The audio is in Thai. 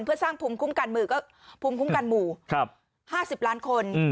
เพื่อสร้างภูมิคุ้มกันหมู่๕๐ล้านคน